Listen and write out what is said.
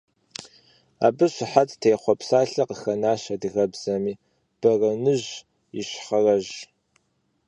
Абы щыхьэт техъуэ псалъэ къыхэнащ адыгэбзэми – «борэныжь», ищхъэрэжь.